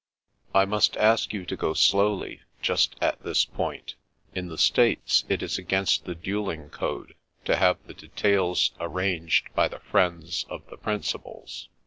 " I must ask you to go slowly, just at this point. In the States, it is against the duelling code to have the details arranged by the friends of the principals.